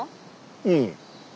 うん。